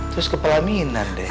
terus kepala minan deh